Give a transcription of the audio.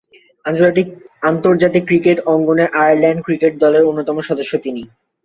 আন্তর্জাতিক ক্রিকেট অঙ্গনে Ireland cricket দলের অন্যতম সদস্য তিনি।